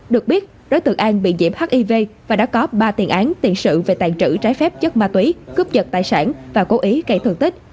được biết đối tượng an bị nhiễm hiv và đã có ba tiền án tiện sự về tàn trữ trái phép chất ma túy cướp vật tài sản và cố ý cây thường tích